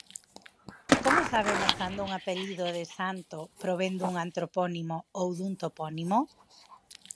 Como sabemos cando un apelido de santo provén dun antropónimo ou dun topónimo?